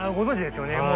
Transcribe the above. そうですよね